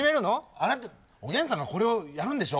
あなたおげんさんがこれをやるんでしょ？